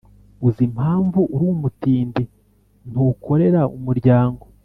Uzimpamvu urumutindi ntukorera umuryango